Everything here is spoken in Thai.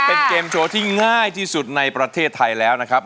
เป็นเกมโชว์ที่ง่ายที่สุดในประเทศไทยแล้วนะครับ